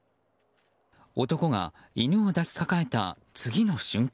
男が犬を抱きかかえた次の瞬間。